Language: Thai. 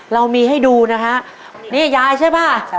เรามีให้ดูนะฮะนี่ยายใช่ป่ะ